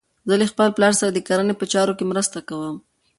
زه له خپل پلار سره د کرنې په چارو کې مرسته کوم.